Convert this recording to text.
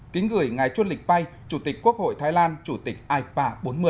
kính gửi ngài chuyên lịch bay chủ tịch quốc hội thái lan chủ tịch ipa bốn mươi